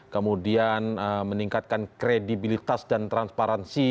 kemudian meningkatkan kredibilitas dan transparansi